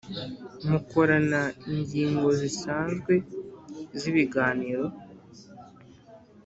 mukorana Ingingo zisanzwe z ibiganiro